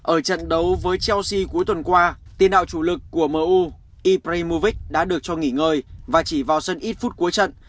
ở trận đấu với chelsea cuối tuần qua tiên đạo chủ lực của m u ibrahimovic đã được cho nghỉ ngơi và chỉ vào sân ít phút cuối trận